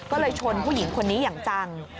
ก็เลยชนผู้หญิงคนนี้อย่างจัง